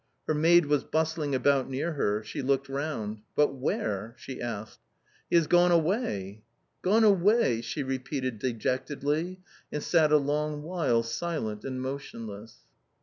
Her maid was bustling about near her. She looked round. "But where?" .... she asked. " He has gone away !"" Gone away !" she repeated dejectedly, and sat a long while silent and motionless.